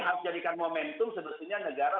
harus jadikan momentum sebetulnya negara